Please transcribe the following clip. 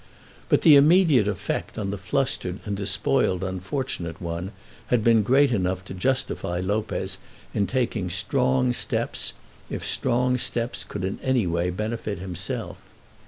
But the immediate effect on the flustered and despoiled unfortunate one had been great enough to justify Lopez in taking strong steps if strong steps could in any way benefit himself.